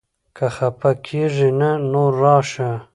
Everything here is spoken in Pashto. که خپه کېږې نه؛ نو راشه!